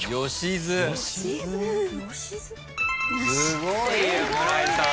すごい村井さん。